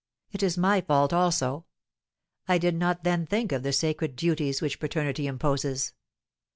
It is my fault, also. I did not then think of the sacred duties which paternity imposes.